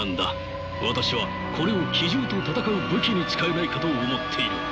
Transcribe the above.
私はこれを奇獣と戦う武器に使えないかと思っている。